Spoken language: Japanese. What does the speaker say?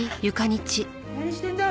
何してんだ？